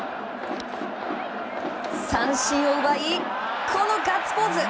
三振を奪い、このガッツポーズ！